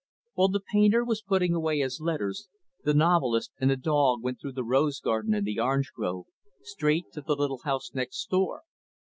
While the painter was putting away his letters, the novelist and the dog went through the rose garden and the orange grove, straight to the little house next door.